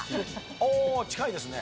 おー、近いですね。